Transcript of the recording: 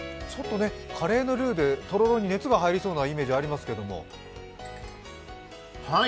カレーのルーでとろろに熱が入りそうなイメージがありますけども。